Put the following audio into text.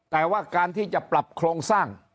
แต่ว่าการที่จะปรับโครงสร้าง